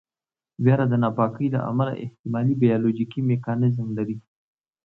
ویره د ناپاکۍ له امله احتمالي بیولوژیکي میکانیزم لري.